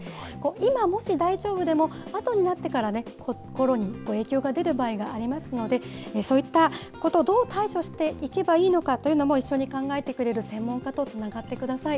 今、もし大丈夫でも、あとになってから心に影響が出る場合がありますので、そういったこと、どう対処していけばいいのかというのも一緒に考えてくれる専門家とつながってください。